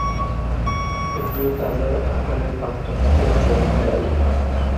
এটি তাদের আকারের পার্থক্যের জন্য দায়ী।